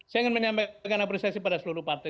saya ingin menyampaikan apresiasi pada seluruh partai